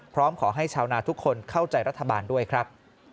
พร้อมขอให้ชาวนาทุกคนเข้าใจรัฐบาลด้วยครับ